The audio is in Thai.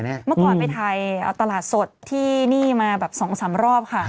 เมื่อก่อนไปไทยเอาตลาดสดที่นี่มาแบบ๒๓รอบค่ะ